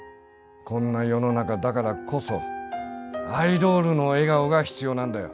こんな世の中だからこそアイドールの笑顔が必要なんだよ。